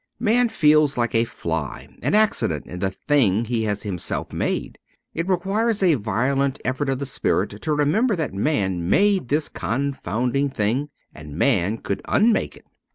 Man feels like a fly, an accident in the thing he has himself made. It requires a violent effort of the spirit to remember that man made this confounding thing and man could unmake it.